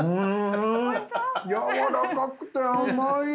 やわらかくて甘い。